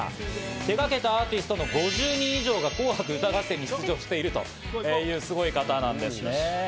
手がけたアーティストの５０人以上が『紅白歌合戦』に出場しているというすごい方なんですね。